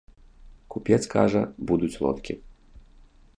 Купец кажа, будуць лодкі!